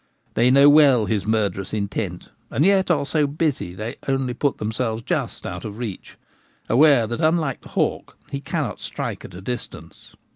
They know well his murderous intent, and yet are so busy they only put themselves just out of reach, aware that, unlike the hawk, he cannot strike at a distance.